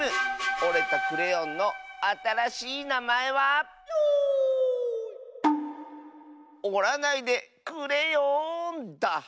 おれたクレヨンのあたらしいなまえは「おらないでくれよん」だ！